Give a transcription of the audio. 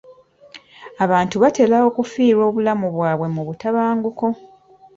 Abantu batera okufiirwa obulamu bwabwe mu butabanguko.